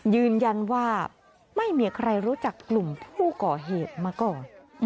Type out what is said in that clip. ยืนยันว่าไม่มีใครรู้จักกลุ่มผู้ก่อเหตุมาก่อน